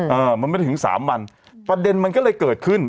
เออมันไม่ได้ถึงสามวันประเด็นมันก็เลยเกิดขึ้น